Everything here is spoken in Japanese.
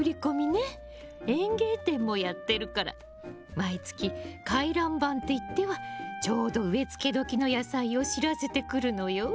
園芸店もやってるから毎月回覧板っていってはちょうど植え付け時の野菜を知らせてくるのよ。